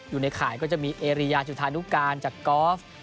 อยู่ในข่ายก็จะมีเอเรียจุธานุการจากกอล์ฟ